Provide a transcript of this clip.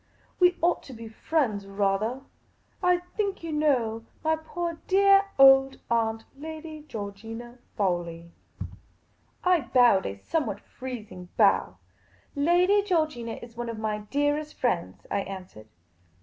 We ought to be friends — rathah. I think yah know my poor deali old aunt, Lady Georgina Fawley." 214 Miss Caylcy's Adventures I bowed a somewhat freezing bow. " Lady Georgina is one cf my dearest friends," I answered.